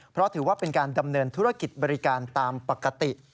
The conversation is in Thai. เพราะถือว่าเป็นการดำเนินธุรกิจบริการตามปกติ